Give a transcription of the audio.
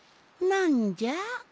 なんじゃ？